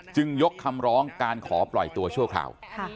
ยกคำร้องการขอปล่อยตัวชั่วคราว